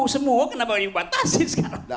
semua kenapa ini batas sih sekarang